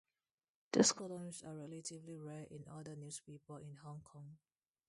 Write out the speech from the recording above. These columns are relatively rare in other newspaper in Hong Kong.